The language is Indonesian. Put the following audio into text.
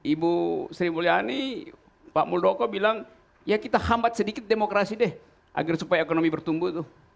ibu sri mulyani pak muldoko bilang ya kita hambat sedikit demokrasi deh agar supaya ekonomi bertumbuh tuh